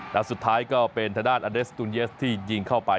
และสุดท้ายก็เป็นทางด้านอเดสตูนเยสที่ยิงเข้าไป